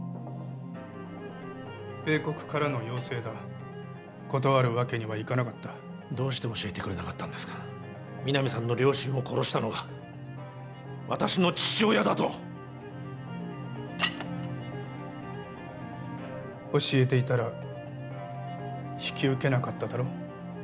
米国からの要請だ断るわけにはいかなかったどうして教えてくれなかったんですか皆実さんの両親を殺したのが私の父親だと教えていたら引き受けなかっただろ？